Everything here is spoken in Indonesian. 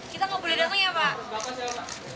kita mau berdekatnya pak